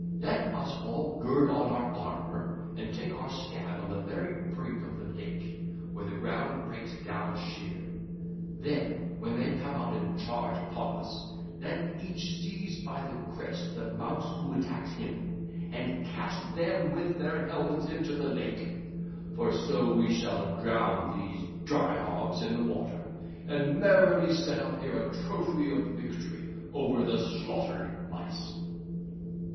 Let us all gird on our armour and take our stand on the very brink of the lake, where the ground breaks down sheer: then when they come out and charge upon us, let each seize by the crest the Mouse who attacks him, and cast them with their helmets into the lake; for so we shall drown these dry hobs 3602 in the water, and merrily set up here a trophy of victory over the slaughtered Mice.